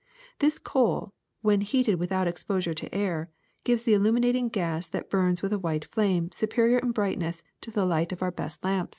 This coal, when heated without exposure to the air, gives the illuminating gas that burns w^ith a white flame superior in brightness to the light of our best lamps ; 1 See " Field, Forest and Farm."